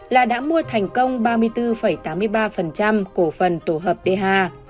là đã mua thành công ba mươi bốn tám mươi ba cổ phần tổ hợp dha